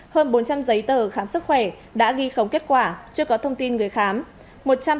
hơn bốn trăm linh giấy tờ khám sức khỏe đã ghi khống kết quả chưa có thông tin người khám